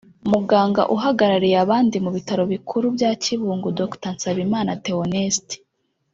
Muganga uhagarariye abandi mu bitaro bikuru bya Kibungo Dr Nsabimana Theoneste